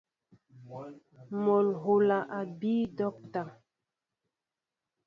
Mol hula a bii docta.